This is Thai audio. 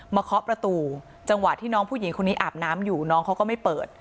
เคาะประตูจังหวะที่น้องผู้หญิงคนนี้อาบน้ำอยู่น้องเขาก็ไม่เปิด